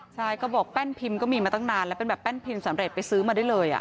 ใช่ก็บอกแป้นพิมพ์ก็มีมาตั้งนานแล้วเป็นแบบแป้นพิมพ์สำเร็จไปซื้อมาได้เลย